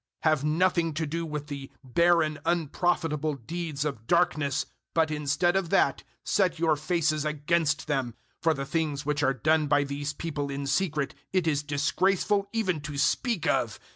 005:011 Have nothing to do with the barren unprofitable deeds of darkness, but, instead of that, set your faces against them; 005:012 for the things which are done by these people in secret it is disgraceful even to speak of.